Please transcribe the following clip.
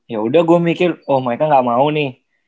yaudah gue mikir oh mereka gak mau nih